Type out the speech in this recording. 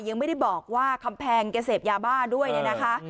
ยังไม่ได้บอกว่าคำแพงเกษตรยาบ้าด้วยนะคะ